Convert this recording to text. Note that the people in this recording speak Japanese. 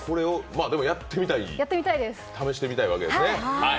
でも、やってみたい、試してみたいわけですね。